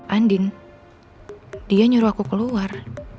andin dia nyuruh aku keluar